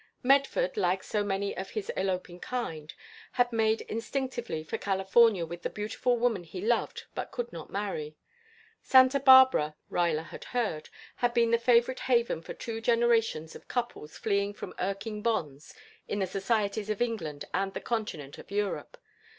Medford, like so many of his eloping kind, had made instinctively for California with the beautiful woman he loved but could not marry. Santa Barbara, Ruyler had heard, had been the favorite haven for two generations of couples fleeing from irking bonds in the societies of England and the continent of Europe.